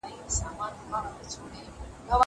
زه به شګه پاکه کړې وي!!